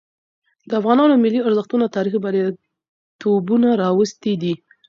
د افغانانو ملي ارزښتونه تاريخي برياليتوبونه راوستي دي.